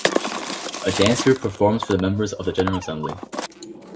A dance group performs for members of the General Assembly.